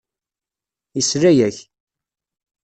Yesla-ak.